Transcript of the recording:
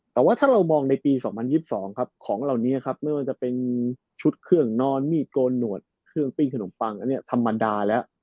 แต่ว่าถ้าเรามองในปี๒๐๒๒ครับของเหล่านี้ครับไม่ว่าจะเป็นชุดเครื่องนอนมีดโกนหนวดเครื่องปิ้งขนมปังอันนี้ธรรมดาแล้ว